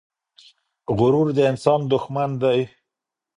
غرور د انسان دښمن دی.